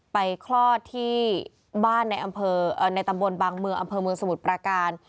ไปคลอดที่บ้านในตำบลบางอำเภอเมืองสมุทรปราการ